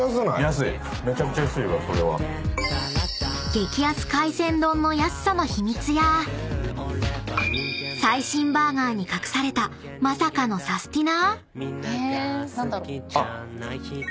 ［激安海鮮丼の安さの秘密や最新バーガーに隠されたまさかのサスティな⁉］